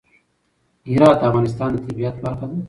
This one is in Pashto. هرات د افغانستان د طبیعت برخه ده.